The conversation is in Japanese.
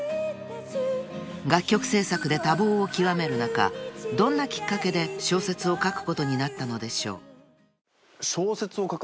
［楽曲制作で多忙を極める中どんなきっかけで小説を書くことになったのでしょう？］